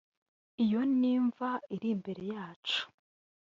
iyo ni imva iri imbere yacu